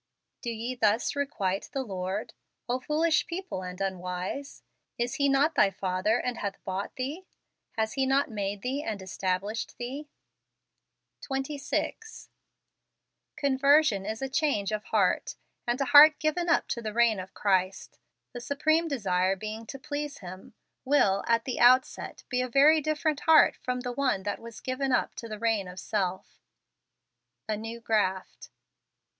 " Do ye thus requite the Lord , O foolish people and unwise? is not he thy father that hath bought thee? hath he not made thee and established thee?" FEBRUARY. 25 26. Conversion is change of heart , and a heart given up to the reign of Christ, the supreme desire being to please Him, will, at the outset, be a very different heart from the one that was given up to the reign of self. A New Graft.